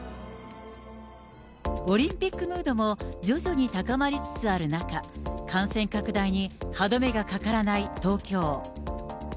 オリンピックムードも徐々に高まりつつある中、感染拡大に歯止めがかからない東京。